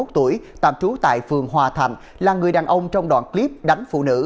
hai mươi một tuổi tạm trú tại phường hòa thạnh là người đàn ông trong đoạn clip đánh phụ nữ